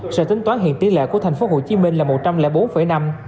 sở tính toán hiện tỷ lệ của tp hcm là một trăm linh bốn năm